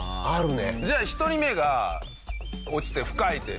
じゃあ１人目が落ちて「深い」って。